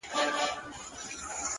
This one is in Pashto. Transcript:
• یا مېړونه بدل سوي یا اوښتي دي وختونه,